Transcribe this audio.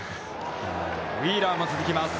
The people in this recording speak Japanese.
ウィーラーも続きます。